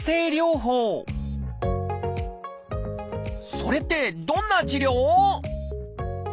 それってどんな治療？